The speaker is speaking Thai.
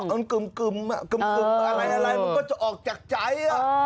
ตอนกึมอะไรมันก็จะออกจากใจ